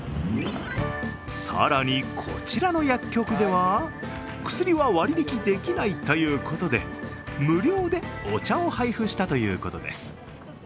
更にこちらの薬局では、薬は割引できないということで、無料でお茶を配布したということです。